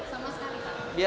sama sekali pak